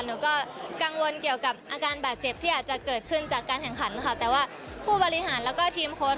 หนูก็กังวลเกี่ยวกับอาการบาดเจ็บที่อาจจะเกิดขึ้นจากการแข่งขันค่ะแต่ว่าผู้บริหารแล้วก็ทีมโค้ช